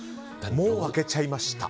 もう明けちゃいました。